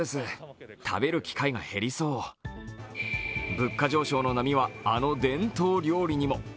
物価上昇の波は、あの伝統料理にも。